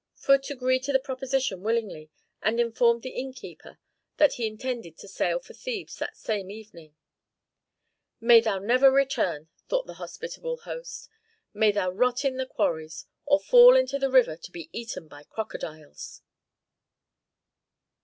Phut agreed to the proposition willingly, and informed the innkeeper that he intended to sail for Thebes that same evening. "May thou never return!" thought the hospitable host. "May thou rot in the quarries, or fall into the river to be eaten by crocodiles."